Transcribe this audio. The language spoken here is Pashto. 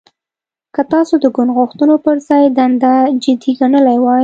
که تاسو د ګوند غوښتنو پر ځای دنده جدي ګڼلې وای